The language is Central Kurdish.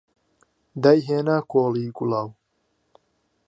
دایهێنا کۆڵی گڵاو